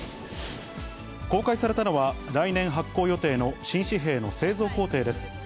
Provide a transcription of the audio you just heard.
公開されたのは、来年発行予定の新紙幣の製造工程です。